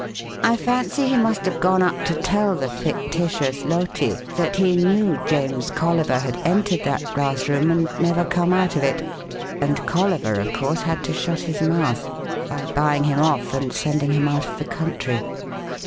I fancy he must have gone up to tell the fictitious Loti that he knew James Colliver had entered that glass room and never come out of it, and Colliver, of course, had to shut his mouth by buying him off and sending him out of the country.